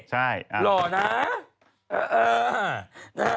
โหลนะ